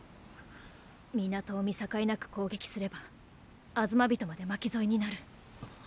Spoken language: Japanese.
港を見境なく攻撃すればアズマビトまで巻き添えになる。